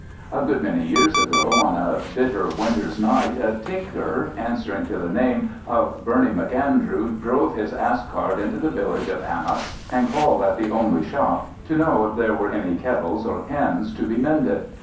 A good many years ago, on a bitter winter's night, a tinker, answering to the name of Bernie M'Andrew, drove his ass cart into the village of Annagh, and called at the only shop to know if there were any kettles or cans to be mended.